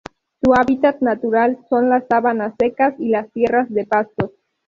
Su hábitat natural son las sabanas secas y las tierras de pastos.